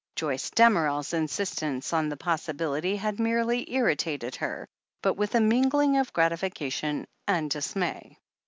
Joyce Damerel's insistence on the possibility had merely irritated her, but with a mingling of gratifica tion and dismay.